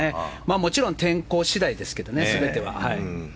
もちろん天候次第ですけどね、全ては。